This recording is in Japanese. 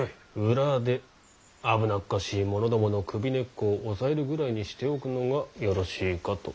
裏で危なっかしい者どもの首根っこを押さえるぐらいにしておくのがよろしいかと。